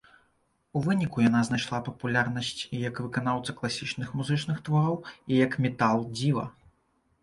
У выніку яна знайшла папулярнасць і як выканаўца класічных музычных твораў, і як метал-дзіва.